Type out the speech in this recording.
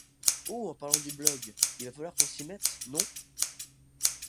Oh en parlant du blog, il va falloir qu’on s’y mette, non ?